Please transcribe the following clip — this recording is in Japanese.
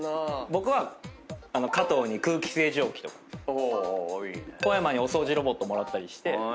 僕は加藤に空気清浄機とか小山にお掃除ロボットもらったりして。